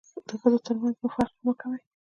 د ښځو تر منځ مو فرق مه کوئ.